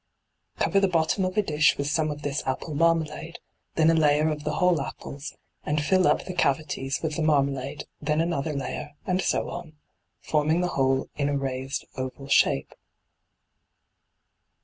Cover the bottom of a dish with some of this apple marmalade, then a layer of the whole apples, and fill up the cavities with the marmalade, then another layer, and so on, forming the whole in a raised oval shape.